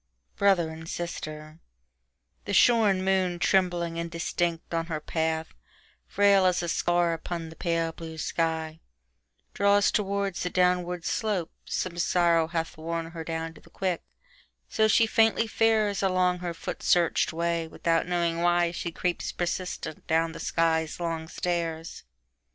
Brother and Sister THE SHORN moon trembling indistinct on her path, Frail as a scar upon the pale blue sky, Draws towards the downward slope: some sorrow hathWorn her down to the quick, so she faintly faresAlong her foot searched way without knowing whyShe creeps persistent down the sky's long stairs.